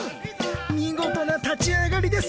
見事な立ち上がりです。